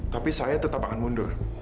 tapi saya tetap akan mundur